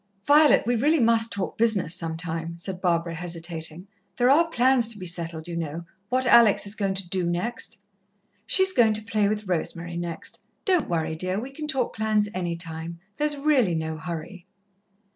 "Violet, we really must talk business some time," said Barbara, hesitating. "There are plans to be settled, you know what Alex is going to do next." "She's going to play with Rosemary next. Don't worry, dear we can talk plans any time. There's really no hurry."